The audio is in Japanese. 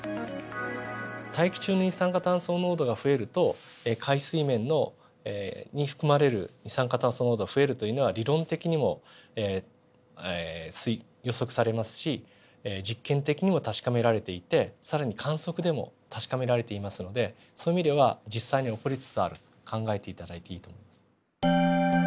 大気中の二酸化炭素濃度が増えると海水面に含まれる二酸化炭素濃度が増えるというのは理論的にも予測されますし実験的にも確かめられていて更に観測でも確かめられていますのでそういう意味では実際に起こりつつあると考えて頂いていいと思います。